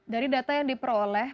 dari data yang diperoleh